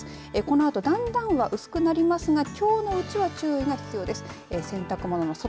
このあと、だんだん薄くなりますがきょうのうちは注意が必要です。